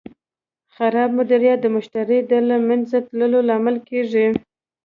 خراب مدیریت د مشتری د له منځه تلو لامل کېږي.